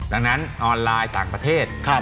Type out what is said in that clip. ดังนั้นออนไลน์ต่างประเทศ